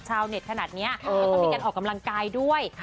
ชาวเน็ตขนาดนี้ก็ต้องมีการออกกำลังกายด้วย